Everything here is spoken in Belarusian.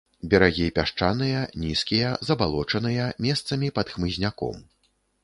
Берагі пясчаныя, нізкія, забалочаныя, месцамі пад хмызняком.